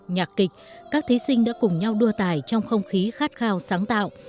nhạc kịch các thí sinh đã cùng nhau đua tài trong không khí khát khao sáng tạo